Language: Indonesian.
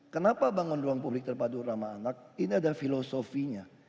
kenapa bangun ruang publik terpadu ramah anak ini ada filosofinya